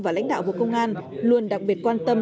và lãnh đạo bộ công an luôn đặc biệt quan tâm